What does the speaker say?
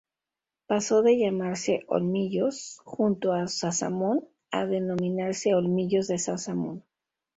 Pasó de llamarse Olmillos junto a Sasamón a denominarse Olmillos de Sasamón.